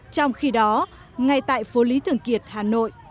trong khi đó ngay tại phố lý thường kiệt hà nội